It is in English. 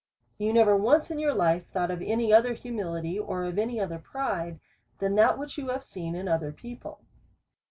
You never once in your life thought of any other humility, or of any other pride, than that which you have seen in other people.